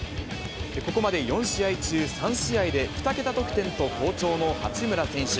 ここまで４試合中、３試合で２桁得点と好調の八村選手。